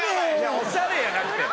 おしゃれやなくて。